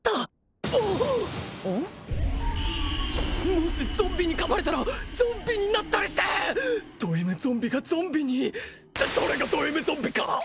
もしゾンビに噛まれたらゾンビになったりしてドＭゾンビがゾンビにって誰がドＭゾンビか！